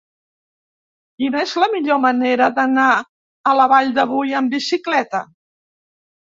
Quina és la millor manera d'anar a la Vall de Boí amb bicicleta?